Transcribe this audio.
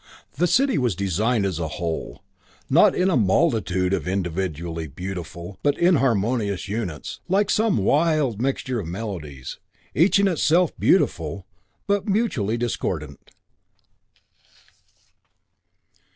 The city was designed as a whole, not in a multitude of individually beautiful, but inharmonious units, like some wild mixture of melodies, each in itself beautiful, but mutually discordant.